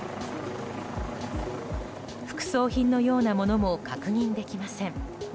副葬品のようなものも確認できません。